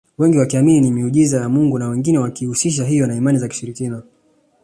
Wengi wakiamini ni miujiza ya mungu na wengine wakiihusisha hiyo na imani za kishirikina